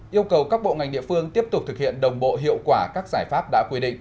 yêu cầu các bộ ngành địa phương tiếp tục thực hiện đồng bộ hiệu quả các giải pháp đã quy định